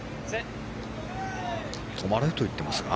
止まれと言っていますが。